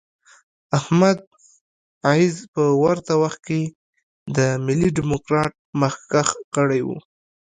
احمد عز په ورته وخت کې د ملي ډیموکراتیک مخکښ غړی و.